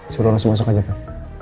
suruh langsung masuk aja pak